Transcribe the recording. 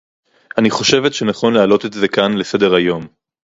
אני חושבת שנכון להעלות את זה כאן לסדר-היום